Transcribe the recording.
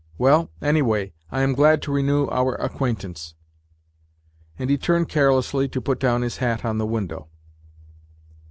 Well, anyway, I am glad to renew our acquaintance." And he turned carelessly to put down his hat on the window.